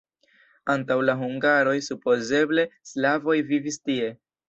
Antaŭ la hungaroj supozeble slavoj vivis tie.